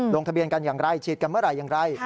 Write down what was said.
ลงทะเบียนกันอย่างไรฉีดกันเมื่อไหร่อย่างไร